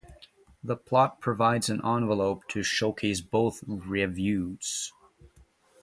The plot provides an envelope to showcase both revues.